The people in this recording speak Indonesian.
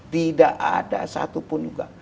tidak ada satupun juga